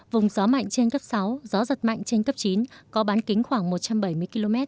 vùng gió mạnh trên cấp sáu gió giật mạnh trên cấp chín có bán kính khoảng một trăm bảy mươi km